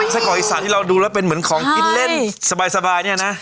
ไส้กรอกอีสานที่เราดูแล้วเป็นเหมือนของกินเล่นสบายเนี่ยนะ